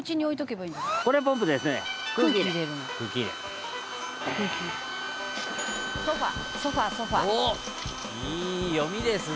いい読みですね！」